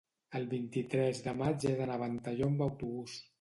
el vint-i-tres de maig he d'anar a Ventalló amb autobús.